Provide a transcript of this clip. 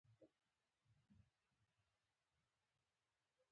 هغه د یو معین وخت لپاره پیسې ورکوي